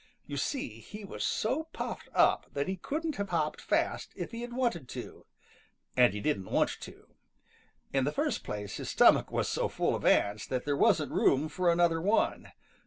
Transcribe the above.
You see, he was so puffed up that he couldn't have hopped fast if he had wanted to, and he didn't want to. In the first place his stomach was so full of ants that there wasn't room for another one.